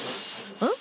うん？